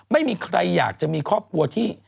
ไม่มีใครอยากจะมีครอบครัวที่